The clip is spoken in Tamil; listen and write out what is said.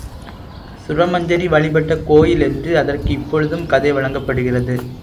சுரமஞ்சரி வழிபட்ட கோயில் என்று அதற்கு இப்பொழுதும் கதை வழங்கப்படுகிறது.